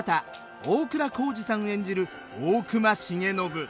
大倉孝二さん演じる大隈重信。